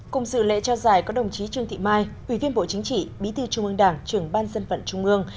cùng sự lễ trao giải có đồng chí trương thị mai quý viên bộ chính trị bí tư trung ương đảng trưởng ban dân vận trung ương